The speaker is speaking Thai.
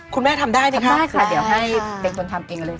คุณแม่ทำได้ไหมครับเป็นคนทำเองเลยทะ